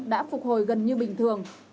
đã phục hồi gần như bình thường